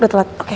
udah telat oke